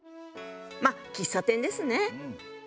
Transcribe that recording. まあ喫茶店ですね。